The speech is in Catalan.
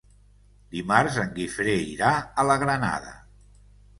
Dimarts en Guifré irà a la Granada.